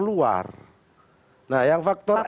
luar nah yang faktor